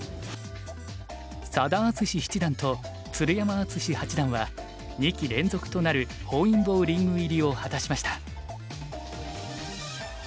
佐田篤史七段と鶴山淳志八段は２期連続となる本因坊リーグ入りを果たしました。